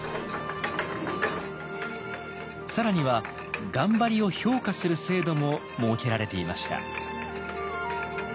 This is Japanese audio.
更には頑張りを評価する制度も設けられていました。